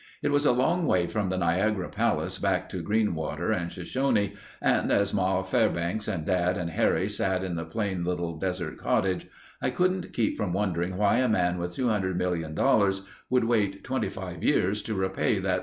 It was a long way from the Niagara palace back to Greenwater and Shoshone and as Ma Fairbanks and Dad and Harry sat in the plain little desert cottage, I couldn't keep from wondering why a man with $200,000,000 would wait 25 years to repay that $300.